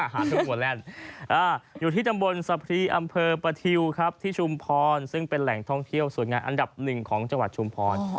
ลูกหัวแลนด์อยู่ที่ตำบลสะพรีอำเภอประทิวครับที่ชุมพรซึ่งเป็นแหล่งท่องเที่ยวสวยงามอันดับหนึ่งของจังหวัดชุมพร